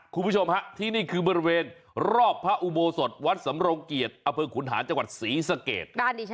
คุณผู้ชมที่นี่คือบริเวณรอบพระอุโมสศวัดสำรงเกียจอขุนหาจศรีสะเกต